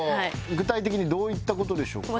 具体的にどういった事でしょうか？